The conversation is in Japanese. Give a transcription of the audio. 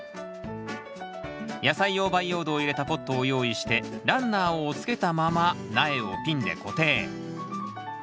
野菜用培養土を入れたポットを用意してランナーをつけたまま苗をピンで固定。